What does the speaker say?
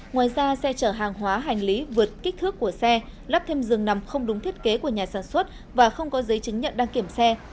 ngoài ra xe chở hàng hóa hành lý vượt kích thước của xe lắp thêm rừng nằm không đúng thiết kế của nhà sản xuất và không có giấy chứng nhận đăng kiểm xe